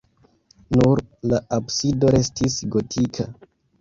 Nur la absido restis gotika.